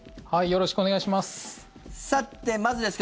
よろしくお願いします。